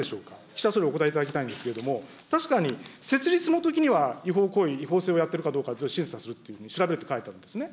岸田総理、お答えいただきたいんですけれども、確かに設立のときには違法行為、違法性をやってるかどうか審査する、調べるって書いてあるんですね。